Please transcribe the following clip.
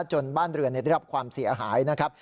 จนบ้านเรือนได้รับความเสียหายนะครับ